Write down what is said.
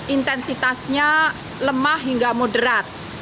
intensitasnya lemah hingga moderat